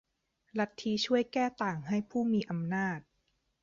ลัทธิช่วยแก้ต่างให้ผู้มีอำนาจ